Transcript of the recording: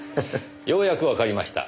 ようやくわかりました。